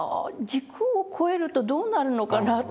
「時空を超えるとどうなるのかな？」と。